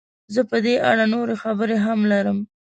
زه په دې اړه نورې خبرې هم لرم.